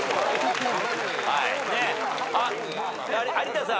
あっ有田さん